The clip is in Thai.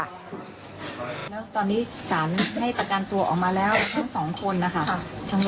แล้วก็ให้เรียนจนจบและแม่จะดูแลอย่างใกล้ชิดค่ะ